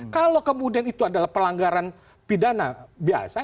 kalau kemudian itu adalah pelanggaran pidana biasa